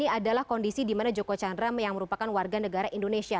ini adalah kondisi di mana joko chandra yang merupakan warga negara indonesia